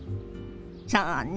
そうね。